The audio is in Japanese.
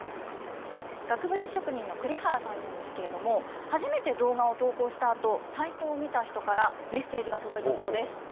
額縁職人の栗原さんなんですけれども、初めて動画を投稿したあと、サイトを見た人からメッセージが届いたそうです。